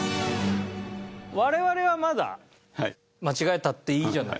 我々はまだ間違えたっていいじゃない。